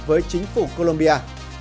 với chính phủ colombia